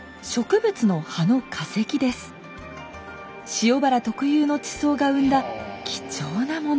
塩原特有の地層が生んだ貴重なもの。